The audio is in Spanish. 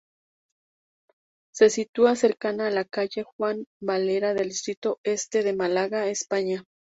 Se sitúa cercana a la Calle Juan Valera del distrito Este de Málaga, España.